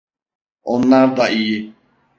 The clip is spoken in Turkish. Onlar da iyi.